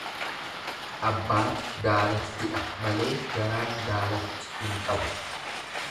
Abbaatu daalattidha malee garaan daalatti hin qabu.